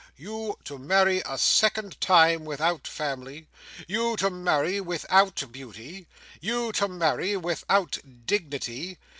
You to marry a second time without family! You to marry without beauty! You to marry without dignity!